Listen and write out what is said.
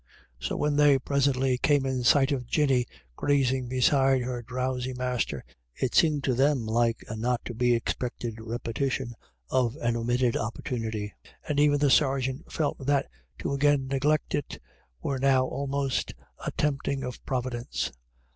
So when they presently came in sight of Jinny grazing beside her drowsy master, it seemed to them like a not to be expected repe tition of an omitted opportunity, and even the sergeant felt that to again neglect it were now almost a tempting of Providence.